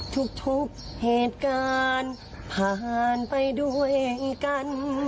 ทุกเหตุการณ์ผ่านไปด้วยกัน